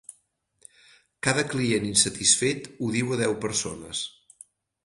Cada client insatisfet ho diu a deu persones.